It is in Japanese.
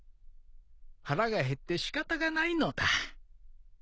腹が減ってしかたがないのだ。